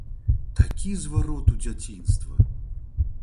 Такі зварот у дзяцінства!